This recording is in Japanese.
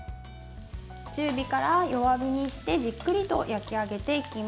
中火から弱火にしてじっくりと焼き上げていきます。